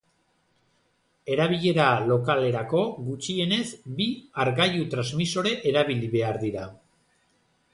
Erabilera lokalerako gutxienez bi hargailu-transmisore erabili behar dira.